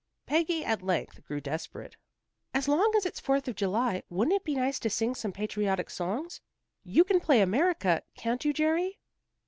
Peggy at length grew desperate. "As long as it's Fourth of July, wouldn't it be nice to sing some patriotic songs? You can play 'America,' can't you, Jerry?"